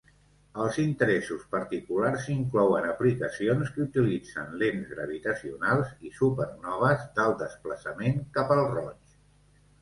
Els interessos particulars inclouen aplicacions que utilitzen lents gravitacionals i supernoves d'alt desplaçament cap al roig.